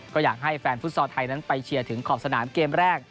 ก็อยากให้แฟนฟุตซอลไทยนั้นไปเชียร์ถึงขอบสนามเกมแรก